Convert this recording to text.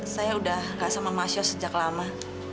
saya udah gak sama ma syaos sejak lama